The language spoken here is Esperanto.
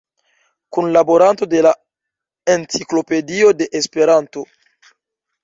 Kunlaboranto de la Enciklopedio de Esperanto.